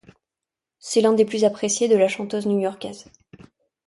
C'est l'un des plus appréciés de la chanteuse new-yorkaise.